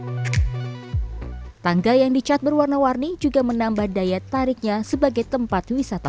tangga yang dicat berwarna warni juga menambah daya tariknya sebagai tempat wisata